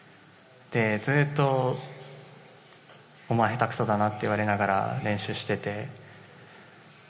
ずっと、お前へたくそだなって言われながら練習をしてて。